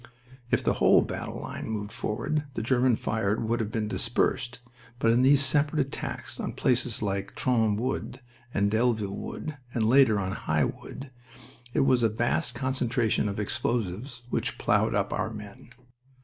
If the whole battle line moved forward the German fire would have been dispersed, but in these separate attacks on places like Trones Wood and Delville Wood, and later on High Wood, it was a vast concentration of explosives which plowed up our men.